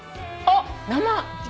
あっ生。